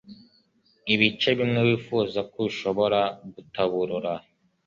ibice bimwe wifuza ko ushobora gutaburura